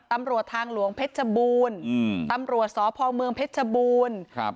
ตำรวจทางหลวงเพชรบูรณ์อืมตำรวจสพเมืองเพชรชบูรณ์ครับ